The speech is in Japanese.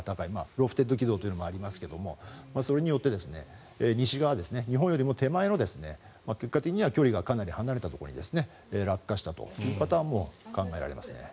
ロフテッド軌道というのもありますがそれによって西側日本よりも手前の結果的には距離がかなり離れたところに落下したというパターンも考えられますね。